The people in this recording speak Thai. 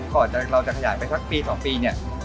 ก่อนเราจะขยายไปสักปี๒ปีเนี่ย